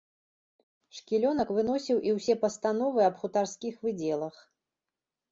Шкілёнак выносіў і ўсе пастановы аб хутарскіх выдзелах.